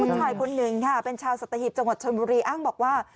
ผู้ชายคนหนึ่งค่ะเป็นชาวสัตหิบจังหวัดชนบุรีอ้างบอกว่า